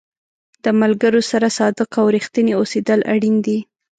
د ملګرو سره صادق او رښتینی اوسېدل اړین دي.